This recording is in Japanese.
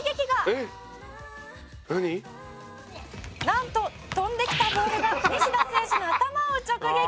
「なんと飛んできたボールが西田選手の頭を直撃！」